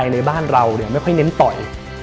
ในบ้านเราไม่ค่อยเน้นต่อย